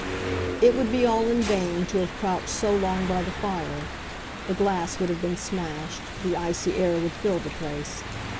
It would be all in vain to have crouched so long by the fire; the glass would have been smashed, the icy air would fill the place.